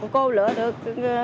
cô lựa được